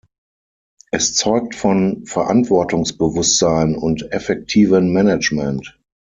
Es zeugt von Verantwortungsbewusstsein und effektivem Management.